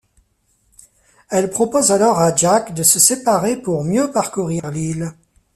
Elle propose alors à Jack de se séparer pour mieux parcourir l'île.